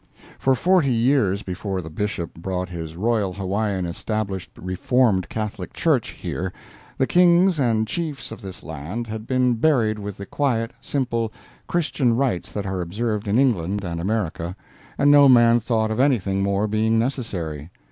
For forty years before the Bishop brought his Royal Hawaiian Established Reformed Catholic Church here the kings and chiefs of this land had been buried with the quiet, simple, Christian rites that are observed in England and America, and no man thought of anything more being necessary.